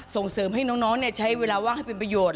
ส่งเสริมให้น้องใช้เวลาว่างให้เป็นประโยชน